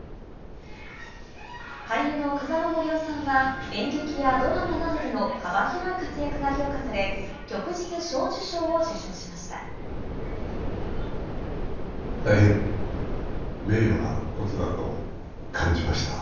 俳優の風間杜夫さんは、演劇やドラマなどでの幅広い活躍が評価され、大変名誉なことだと感じました。